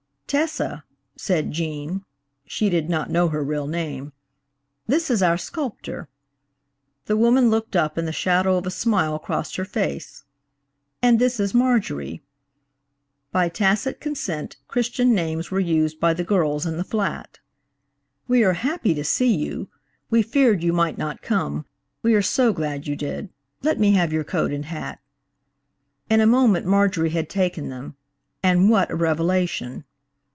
"Tessa," said Gene (she did not know her real name), "this is our sculptor." The woman looked up and the shadow of a smile crossed her face. "And this is Marjorie!" By tacit consent Christian names were used by the girls in the flat. "We are happy to see you. We feared you might not come; we are so glad you did. Let me have your coat and hat." In a moment Marjorie had taken them–and what a revelation!